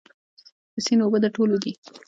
د سیند اوبه د ټولو دي؟